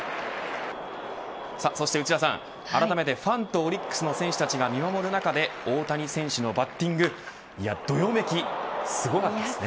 そして内田さん、あらためてファンとオリックスの選手たちが見守る中で大谷選手のバッティングどよめき、すごかったですね。